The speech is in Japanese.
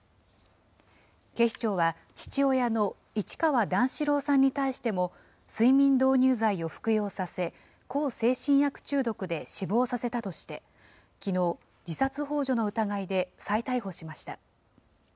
警視庁は父親の市川段四郎さんに対しても、睡眠導入剤を服用させ、向精神薬中毒で死亡させたとして、きのう、自殺ほう助の疑いで再逮捕しました。